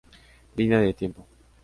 Línea de tiempo